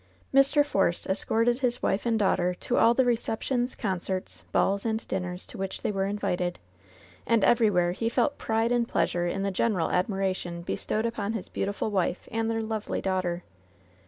Mr. Force escorted his wife and daughter to all the receptions, concerts, balls and dinners to which they were invited, and everywhere he felt pride and pleasure in the genral admiration bestowed upon his beautiful wife and their lovely daughter.